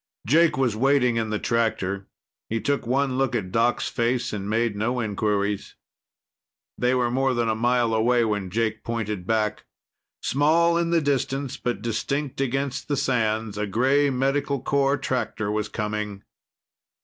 Jake was waiting in the tractor. He took one look at Doc's face and made no inquiries. They were more than a mile away when Jake pointed back. Small in the distance, but distinct against the sands, a gray Medical Corps tractor was coming.